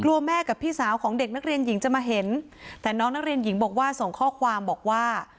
แม่กับพี่สาวของเด็กนักเรียนหญิงจะมาเห็นแต่น้องนักเรียนหญิงบอกว่าส่งข้อความบอกว่า